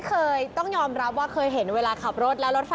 ก็ต้องมารถไปกระบวนทางหาข้าวกินค่ะ